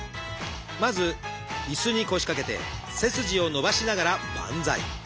まず椅子に腰掛けて背筋を伸ばしながらバンザイ。